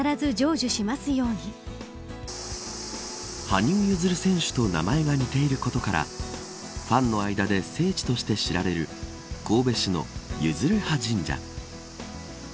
羽生結弦選手と名前が似ていることからファンの間で聖地として知られる神戸市の弓弦羽神社。